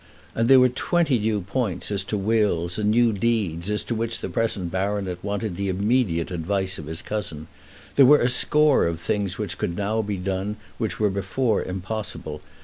And there were twenty points as to new wills and new deeds as to which the present baronet wanted the immediate advice of his cousin. There were a score of things which could now be done which were before impossible.